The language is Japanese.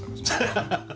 ハハハハ！